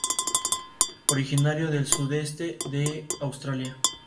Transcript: Gracias a esta recopilación el juego cuenta con textos en español y perfectamente localizado.